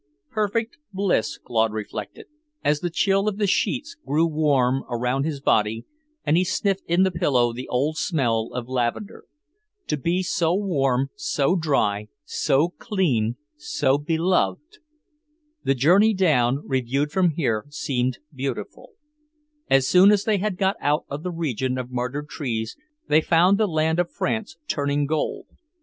Perfect bliss, Claude reflected, as the chill of the sheets grew warm around his body, and he sniffed in the pillow the old smell of lavender. To be so warm, so dry, so clean, so beloved! The journey down, reviewed from here, seemed beautiful. As soon as they had got out of the region of martyred trees, they found the land of France turning gold.